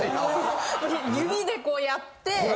指でこうやって。